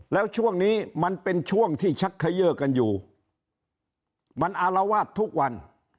แล้วช่วงนี้มันเป็นช่วงที่ชักเขย่อกันอยู่มันอารวาสทุกวัน